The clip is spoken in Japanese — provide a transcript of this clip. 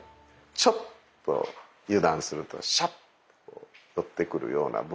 ちょっと油断するとシャッと寄ってくるような部分があって。